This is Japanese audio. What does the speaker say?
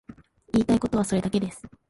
言いたいことはそれだけです。